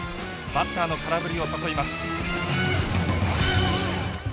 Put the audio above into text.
バッターの空振りを誘います。